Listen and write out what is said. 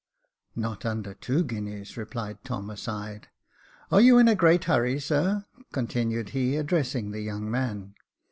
"Not under two guineas," replied Tom, aside. "Are you in a great hurry, sir ?" continued he, addressing the young man.